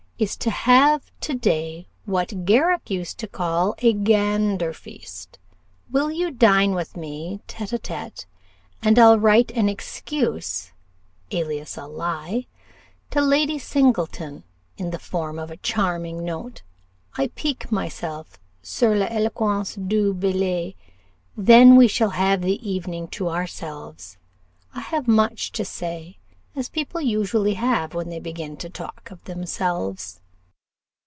is to have to day what Garrick used to call a gander feast will you dine with me tête à tête, and I'll write an excuse, alias a lie, to Lady Singleton, in the form of a charming note I pique myself sur l'éloquence du billet then we shall have the evening to ourselves. I have much to say, as people usually have when they begin to talk of themselves.